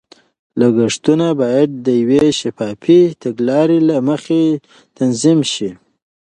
لګښتونه باید د یوې شفافې تګلارې له مخې تنظیم شي.